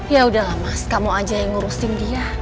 ya udahlah mas kamu aja yang ngurusin dia